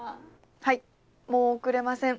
はいもう遅れません